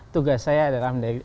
tugas saya adalah mendekati